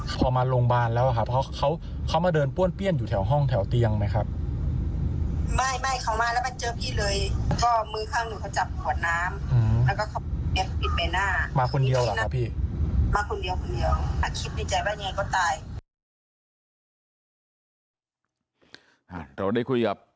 พอมาโรงพยาบาลแล้วครับเขาเขามาเดินป้วนเปี้ยนอยู่แถวห้องแถวเตียงไหมครับ